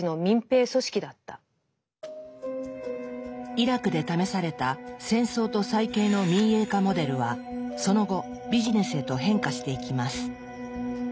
イラクで試された「戦争と再建の民営化モデル」はその後ビジネスへと変化していきます。